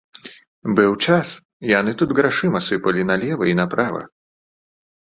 Быў час яны тут грашыма сыпалі налева і направа.